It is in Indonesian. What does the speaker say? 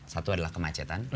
satu adalah kemacetan